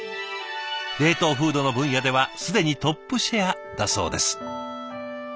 冷凍フードの分野では既にトップシェアだそうです。